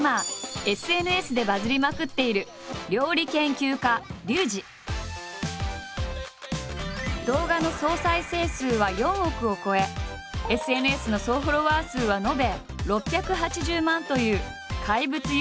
今ＳＮＳでバズりまくっている動画の総再生数は４億を超えＳＮＳの総フォロワー数は延べ６８０万という怪物ＹｏｕＴｕｂｅｒだ。